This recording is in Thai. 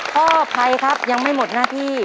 พ่อภัยครับยังไม่หมดหน้าที่